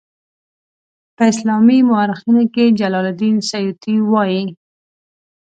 په اسلامي مورخینو کې جلال الدین سیوطي وایي.